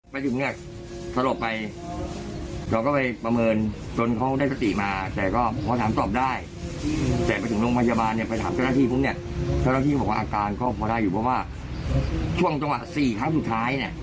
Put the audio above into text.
แล้วที่เขาบอกว่าอาการคงคงอยู่เข้ามาใบหน้าช่วงปีสี่ครั้งสุดท้ายนะฮะ